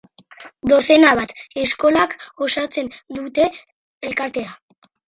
Dozena bat eskolak osatzen dute elkartea.